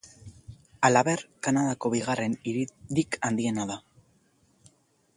Halaber, Kanadako bigarren hiririk handiena da.